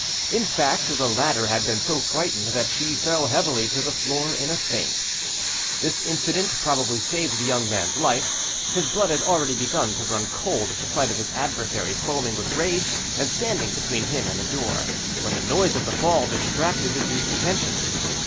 In fact the latter had been so frightened that she fell heavily to the floor in a faint. This incident probably saved the young man's life; his blood had already begun to run cold at the sight of his adversary foaming with rage and standing between him and the door, when the noise of the fall distracted the duke's attention.